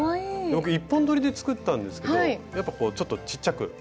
僕１本どりで作ったんですけどやっぱこうちょっとちっちゃく出来上がりました。